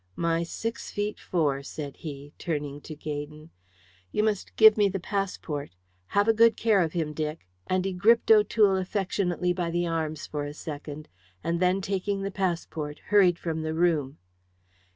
"My six feet four," said he, turning to Gaydon; "you must give me the passport. Have a good care of him, Dick;" and he gripped O'Toole affectionately by the arms for a second, and then taking the passport hurried from the room.